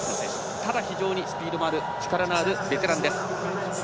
ただ、非常にスピードのある力のあるベテランです。